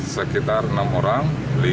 sekitar enam orang